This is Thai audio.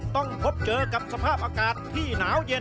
ต้องพบเจอกับสภาพอากาศที่หนาวเย็น